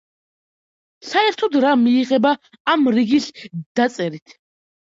საერთოდ რა მიიღება ამ რიგის დაწერით?